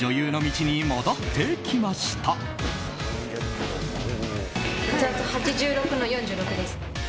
血圧８６の４６です。